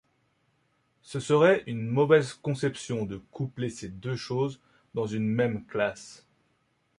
Ce serait une mauvaise conception de coupler ces deux choses dans une même classe.